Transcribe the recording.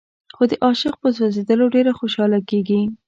خو د عاشق په سوځېدلو ډېره خوشاله کېږي.